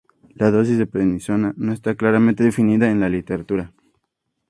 La dosis de prednisona no está claramente definida en la literatura.